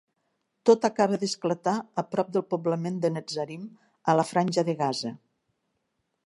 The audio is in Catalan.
Tot acaba d'esclatar a prop del poblament de Netzarim a la franja de Gaza.